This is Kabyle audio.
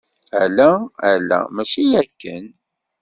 Ala, ala! Mačči akken.